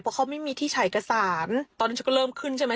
เพราะเขาไม่มีที่ฉายกระสารตอนนั้นฉันก็เริ่มขึ้นใช่ไหม